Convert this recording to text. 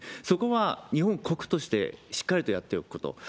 そこは日本国としてしっかりとやっておくこと。